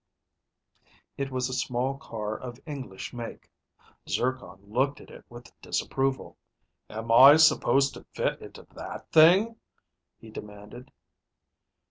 It was a small car of English make. Zircon looked at it with disapproval. "Am I supposed to fit into that thing?" he demanded.